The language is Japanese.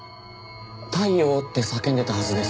「タイヨウ」って叫んでたはずです。